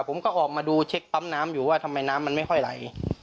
ผมก็ออกมาดูเช็คปั๊มน้ำอยู่ว่าทำไมน้ำมันไม่ค่อยไหล